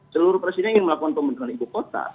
seluruh presiden ingin melakukan pembentukan ibu kota